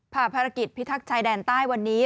ภารกิจพิทักษ์ชายแดนใต้วันนี้